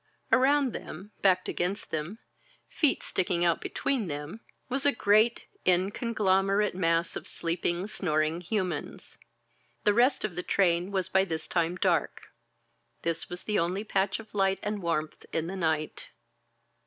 Around them, backed against them, feet sticking out between them, was a great, inconglom erate mass of sleeping, snoring humans. The rest of the train was by this time dark ; this was the only patch of light and warmth in the night.